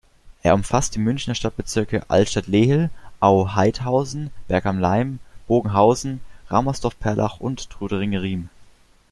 Er umfasst die Münchner Stadtbezirke Altstadt-Lehel, Au-Haidhausen, Berg am Laim, Bogenhausen, Ramersdorf-Perlach und Trudering-Riem.